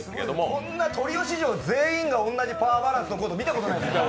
こんなトリオ史上、全員が同じパワーバランスのコント、見たことないです。